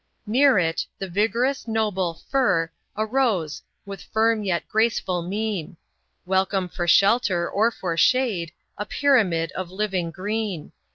Near it, the vigorous, noble FIR Arose, with firm yet graceful mien; Welcome for shelter or for shade, A pyramid of living green.